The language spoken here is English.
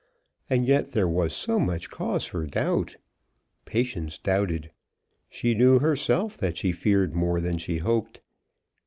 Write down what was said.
And yet there was so much cause for doubt. Patience doubted. She knew herself that she feared more than she hoped.